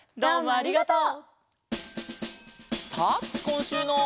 ありがとう！